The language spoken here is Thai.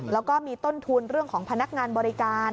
แล้วก็มีต้นทุนเรื่องของพนักงานบริการ